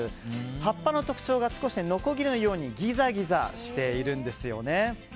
葉っぱの特徴がのこぎりのようにギザギザしているんですね。